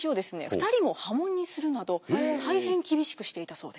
２人も破門にするなど大変厳しくしていたそうです。